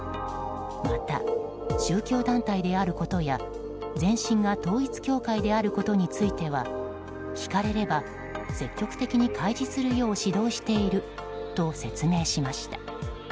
また、宗教団体であることや前身が統一教会であることについては聞かれれば積極的に開示するよう指導していると説明しました。